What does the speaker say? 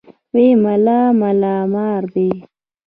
وې ملا ملا مار دی.